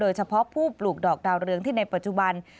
เฉพาะผู้ปลูกดอกดาวเรืองที่ในปัจจุบัน